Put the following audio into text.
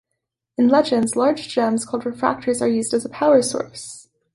In "Legends", large gems called Refractors are used as a power source.